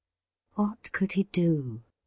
What could he do ?